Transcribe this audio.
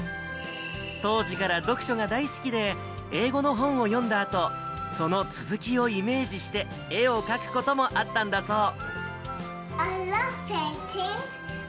当時から読書が大好きで、英語の本を読んだあと、その続きをイメージして、絵を描くこともあったんだそう。